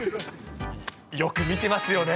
よく見ていますよね。